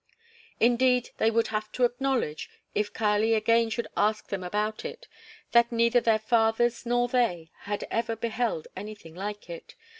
Indeed, they would have to acknowledge, if Kali again should ask them about it, that neither their fathers nor they ever had beheld anything like it.